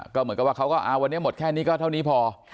ก็เหมือนกับว่าเขาก็วันนี้หมดแค่นี้ก็เท่านี้พอ